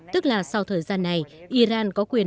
tức là sau thời gian này iran có quyền